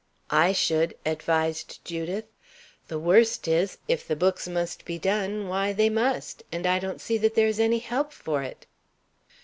"I should," advised Judith. "The worst is, if the books must be done, why, they must; and I don't see that there is any help for it."